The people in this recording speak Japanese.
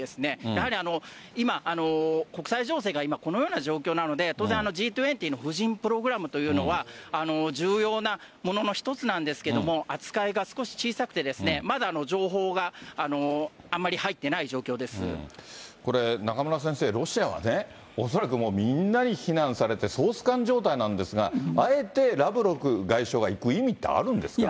やはり今、国際情勢が今、このような状況なので、当然、Ｇ２０の夫人プログラムというのは、重要なものの一つなんですけれども、扱いが少し小さくて、まだ情報があんまり入っていない状これ、中村先生、ロシアはね、恐らくもうみんなに非難されて、総スカン状態なんですが、あえてラブロフ外相が行く意味ってあるんですか？